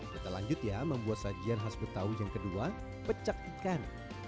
kita lanjut ya membuat sajian khas betawi yang kedua pecak ikan